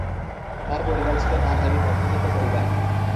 তার পরিবার ছিলো পাঞ্জাবি মধ্যবিত্ত পরিবার।